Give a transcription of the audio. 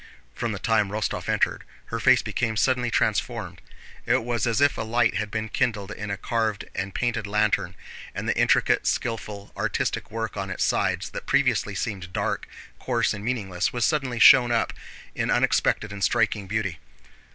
From the time Rostóv entered, her face became suddenly transformed. It was as if a light had been kindled in a carved and painted lantern and the intricate, skillful, artistic work on its sides, that previously seemed dark, coarse, and meaningless, was suddenly shown up in unexpected and striking beauty.